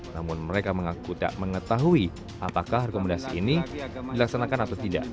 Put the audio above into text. namun mereka mengaku tak mengetahui apakah rekomendasi ini dilaksanakan atau tidak